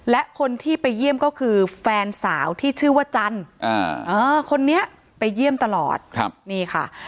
และคนที่ไปเยี่ยมก็คือแฟนสาวที่ชื่อว่าจันทร์คนนี้ไปเยี่ยมตลอดนี่ค่ะ